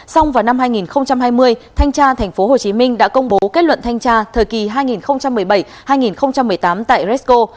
xong vào năm hai nghìn hai mươi thanh tra tp hcm đã công bố kết luận thanh tra thời kỳ hai nghìn một mươi bảy hai nghìn một mươi tám tại resco